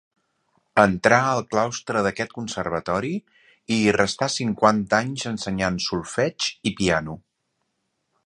Entrà al claustre d'aquest conservatori i hi restà cinquanta anys ensenyant solfeig i piano.